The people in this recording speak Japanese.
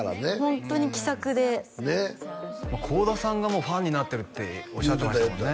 ホントに気さくでねえ倖田さんがファンになってるっておっしゃってましたもんね